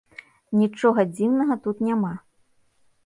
Нічога дзіўнага тут няма.